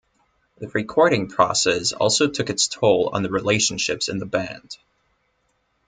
The recording process also took its toll on the relationships in the band.